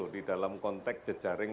di dalam konteks jejaring